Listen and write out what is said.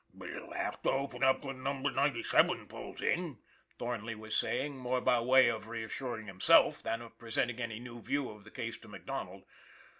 " He'll have to open up when Number Ninety Seven pulls in," Thornley was saying, more by way of re assuring himself than of presenting any new view of the case to MacDonald.